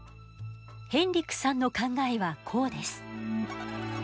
ヘンリックさんの考えはこうです。